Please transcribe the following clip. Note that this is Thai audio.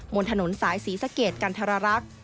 มนต์ถนนสายศรีสะเกดกันทรรรัก